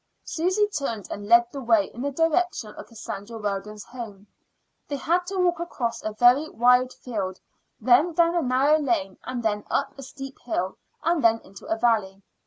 Susy turned and led the way in the direction of Cassandra Weldon's home. They had to walk across a very wide field, then down a narrow lane, then up a steep hill, and then into a valley.